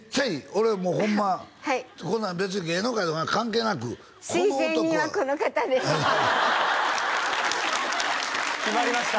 俺もうホンマこんなん別に芸能界とか関係なく推薦人はこの方です決まりました